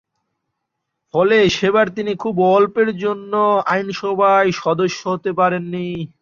ফলে সেবার তিনি খুব অল্পের জন্য আইনসভার সদস্য হতে পারেননি।